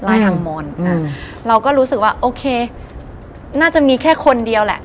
ทางมอนเราก็รู้สึกว่าโอเคน่าจะมีแค่คนเดียวแหละ